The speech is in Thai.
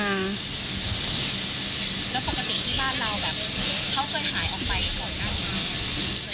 แล้วปกติที่บ้านเราเขาเคยหายออกไปก่อนกลับมา